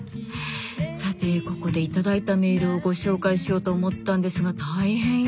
さてここで頂いたメールをご紹介しようと思ったんですが大変よ